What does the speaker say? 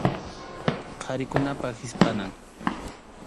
Qharikunapa hispʼanan.